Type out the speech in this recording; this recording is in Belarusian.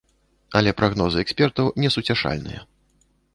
Але прагнозы экспертаў несуцяшальныя.